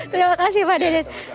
terima kasih pak deden